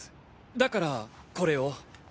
だからこれを。